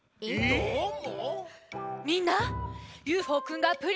どーも？